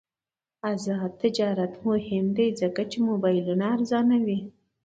آزاد تجارت مهم دی ځکه چې موبایلونه ارزانوي.